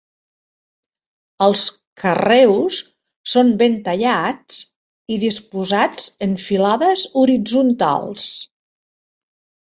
Els carreus són ben tallats i disposats en filades horitzontals.